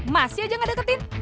masih aja gak deketin